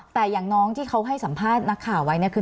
แต่อย่างน้องที่เขาให้สัมภาษณ์นักข่าวไว้